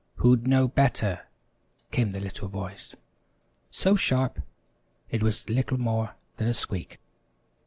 "Who'd know better?" came the little voice, so sharp it was little more than a squeak.